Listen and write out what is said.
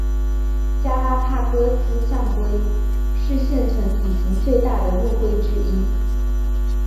加拉帕戈斯象龟是现存体型最大的陆龟之一。